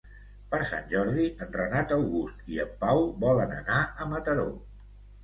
Per Sant Jordi en Renat August i en Pau volen anar a Mataró.